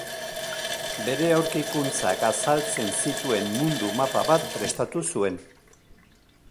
Bere aurkikuntzak azaltzen zituen mundu-mapa bat prestatu zuen.